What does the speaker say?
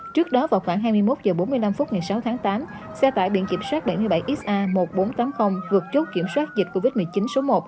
trước đó vào khoảng hai mươi một h bốn mươi năm phút ngày sáu tháng tám xe tải biển kiểm soát bảy mươi bảy sa một nghìn bốn trăm tám mươi vượt chốt kiểm soát dịch covid một mươi chín số một